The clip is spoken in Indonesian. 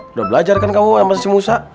udah belajar kan kamu sama si musa